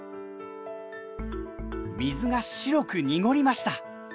水が白く濁りました！